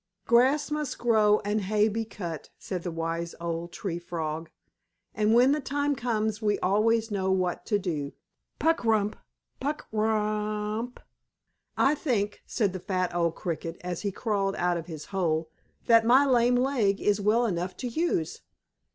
"Grass must grow and hay be cut," said the wise old Tree Frog, "and when the time comes we always know what to do. Puk rup! Puk r r rup!" "I think," said the fat old Cricket, as he crawled out of his hole, "that my lame leg is well enough to use.